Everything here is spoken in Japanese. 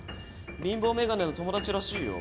貧乏眼鏡の友達らしいよ。